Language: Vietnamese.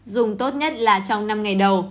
dùng tốt nhất là trong năm ngày đầu